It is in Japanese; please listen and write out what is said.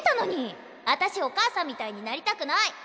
あたしお母さんみたいになりたくない！